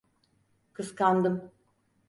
Kıskandım.